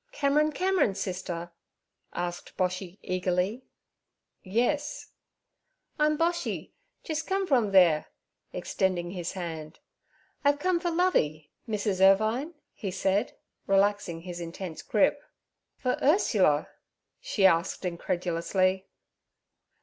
'Cameron Cameron's sister?' asked Boshy eagerly. 'Yes.' 'I'm Boshy, jis come from theere' extending his hand. 'I've come fer Lovey, Mrs. Irvine' he said, relaxing his intense grip. 'For Ursula?' she asked incredulously.